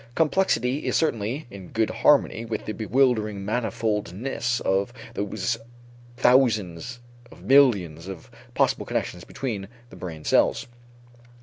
Complexity is certainly in good harmony with the bewildering manifoldness of those thousands of millions of possible connections between the brain cells.